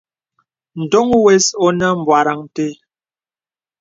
Ndoŋ wəs onə bwarəŋ té.